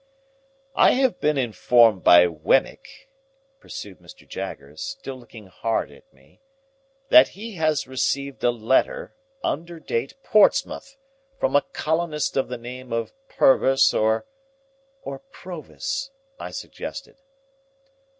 "I have been informed by Wemmick," pursued Mr. Jaggers, still looking hard at me, "that he has received a letter, under date Portsmouth, from a colonist of the name of Purvis, or—" "Or Provis," I suggested.